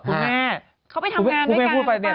คุณแม่เขาไปทำงานด้วยกัน